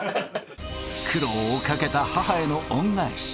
苦労をかけた母への恩返し